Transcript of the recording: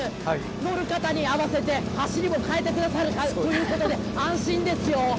乗る方に合わせて、走りも変えてくださるということで、安心ですよ。